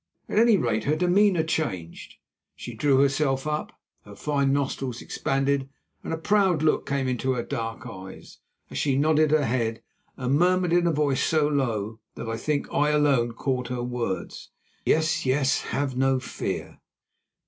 At any rate, her demeanour changed. She drew herself up. Her fine nostrils expanded and a proud look came into her dark eyes, as she nodded her head and murmured in a voice so low that I think I alone caught her words: "Yes, yes, have no fear."